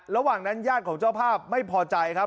ระหว่างนั้นญาติของเจ้าภาพไม่พอใจครับ